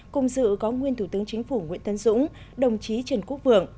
cùng dự có nguyên thủ tướng chính phủ nguyễn tân dũng đồng chí trần quốc vượng